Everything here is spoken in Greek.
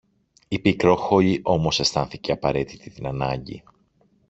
Η Πικρόχολη όμως αισθάνθηκε απαραίτητη την ανάγκη